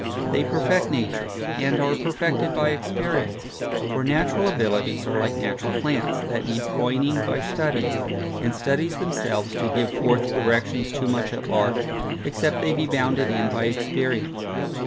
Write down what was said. They perfect nature, and are perfected by experience: for natural abilities are like natural plants, that need proyning, by study; and studies themselves, do give forth directions too much at large, except they be bounded in by experience.